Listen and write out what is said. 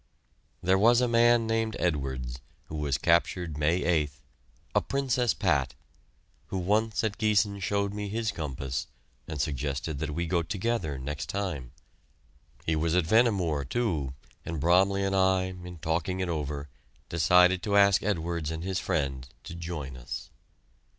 There was a man named Edwards, who was captured May 8th, a Princess Pat, who once at Giessen showed me his compass and suggested that we go together next time. He was at Vehnemoor, too, and Bromley and I, in talking it over, decided to ask Edwards and his friend to join us.